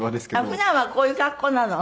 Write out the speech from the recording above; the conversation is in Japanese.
普段はこういう格好なの？